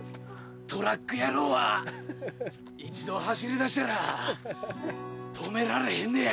トラック野郎は一度走りだしたら止められへんのや。